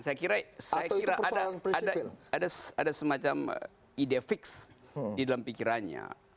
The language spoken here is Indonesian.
saya kira ada semacam ide fix di dalam pikirannya